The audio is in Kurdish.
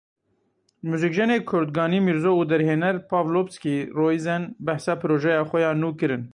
Muzîkjenê kurd Ganî Mîrzo û derhêner Pavlobski Roisen behsa projeya xwe ya nû kirin.